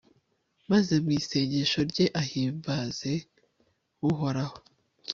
maze mu isengesho rye ahimbaze uhoraho